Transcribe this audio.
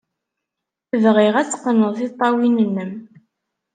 Bɣiɣ ad teqqned tiṭṭawin-nnem.